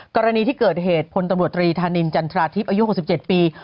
กรณีที่เกิดเหตุพลตำรวจตรีธานินจันทราทิพย์อายุ๖๗ปี